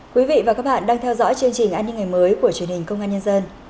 quý vị và các bạn đang theo dõi chương trình an ninh ngày mới của truyền hình công an nhân dân